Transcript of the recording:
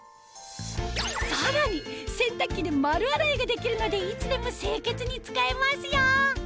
さらに洗濯機で丸洗いができるのでいつでも清潔に使えますよ